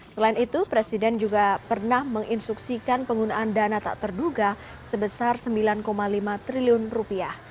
selain itu presiden juga pernah menginstruksikan penggunaan dana tak terduga sebesar sembilan lima triliun rupiah